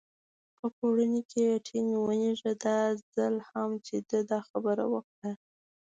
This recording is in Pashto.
په پوړني کې ټینګ ونېژه، دا ځل هم چې ده دا خبره وکړه.